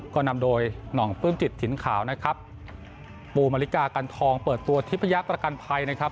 ก็นำโดยหน่องปลื้มจิตถิ่นขาวนะครับปูมริกากันทองเปิดตัวทิพยประกันภัยนะครับ